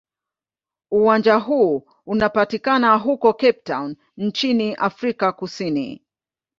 Uwanja huu unapatikana huko Cape Town nchini Afrika Kusini.